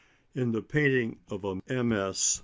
In the painting of a MS.